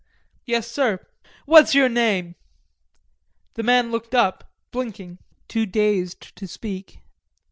"Yes, sir." "What's your name?" The man looked up, blinking, too dazed to speak.